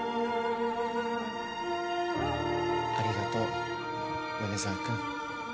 ありがとう米澤君